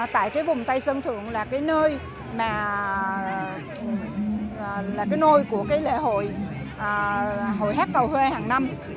tại cái vùng tây sơn thượng là cái nơi mà là cái nôi của cái lễ hội hát cầu huê hàng năm